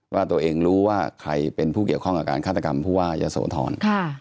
ว่าตัวเองรู้ว่าใครเป็นผู้เกี่ยวข้องกับการฆาตกรรมผู้ว่ายะโสธร